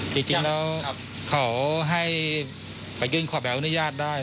จริงแล้วเขาให้ไปยื่นขอใบอนุญาตได้